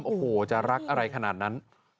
โอ้โหจะรักอะไรขนาดนั้น